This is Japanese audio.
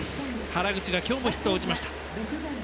原口が今日もヒットを打ちました。